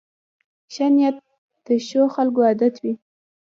ښه نیت د ښو خلکو عادت وي.